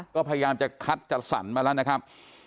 ก็พยายามจะคัดจัดสรรมาแล้วนะครับ